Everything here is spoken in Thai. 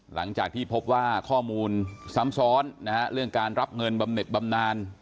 หลังจากที่พบว่าข้อมูลซ้ำซ้อนนะฮะเรื่องการรับเงินบำเน็ตบำนาน